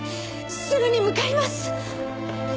すぐに向かいます！